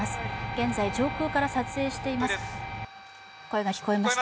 現在、上空から撮影しています。